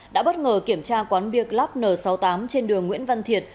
đã bất ngờ kiểm tra quán beer club n sáu mươi tám trên đường nguyễn văn thiệt